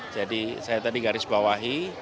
jadi saya tadi garis bawahi